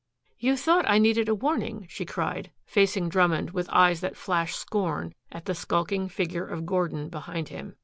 "You thought I needed a warning," she cried, facing Drummond with eyes that flashed scorn at the skulking figure of Gordon behind him.